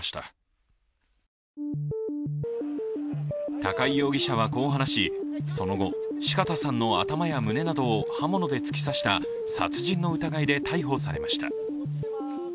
高井容疑者はこう話しその後、四方さんの頭や胸などを刃物で突き刺した殺人の疑いで逮捕されました。